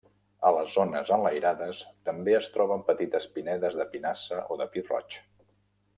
A les zones enlairades, també es troben petites pinedes de pinassa o de pi roig.